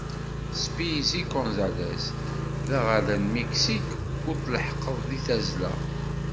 Speedy Gonzales, d aɣerda n Miksik ur tleḥḥqeḍ deg tazzla.